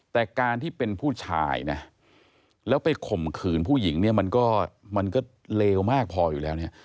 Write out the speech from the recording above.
แต่การที่เป็นผู้ชายนะแล้วไปข่มขืนผู้หญิงเนี่ยมันก็มันก็เลวมากพออยู่แล้วเนี่ย